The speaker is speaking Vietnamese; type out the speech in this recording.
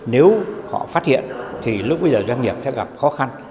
nếu họ phát hiện thì lúc bây giờ doanh nghiệp sẽ gặp khó khăn